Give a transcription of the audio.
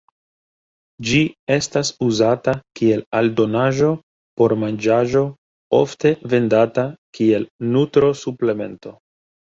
Ĝi estas uzata kiel aldonaĵo por manĝaĵo ofte vendata kiel nutro-suplemento.